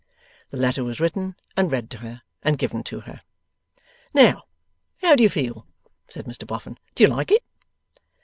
The letter was written, and read to her, and given to her. 'Now, how do you feel?' said Mr Boffin. 'Do you like it?